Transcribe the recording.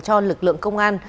cho lực lượng công an